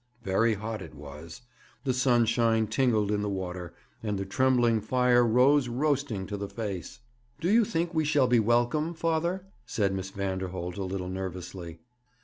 Very hot it was. The sunshine tingled in the water, and the trembling fire rose roasting to the face. 'Do you think we shall be welcome, father?' said Miss Vanderholt, a little nervously.